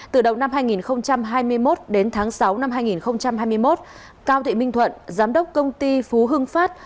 từ đầu năm hai nghìn hai mươi một đến tháng sáu năm hai nghìn hai mươi một cao thị minh thuận giám đốc công ty phú hưng phát